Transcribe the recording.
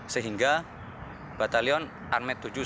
sehingga batalion armada tujuh satu ratus lima gs